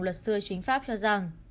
luật sư chính pháp cho rằng